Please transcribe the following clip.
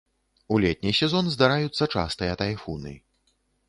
У летні сезон здараюцца частыя тайфуны.